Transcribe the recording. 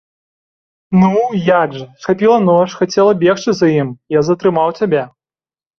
Ну, як жа, хапіла нож, хацела бегчы за ім, я затрымаў цябе.